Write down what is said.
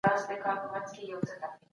د ماضي نه زده کړه وکړئ.